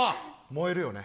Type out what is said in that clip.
燃えるよね。